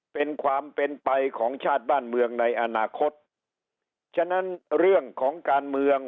เป็นความเป็นไปของชาติบ้านเมืองในอนาคตฉะนั้นเรื่องของการเมือง